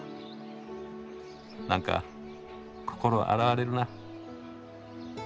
なんか心洗われるな。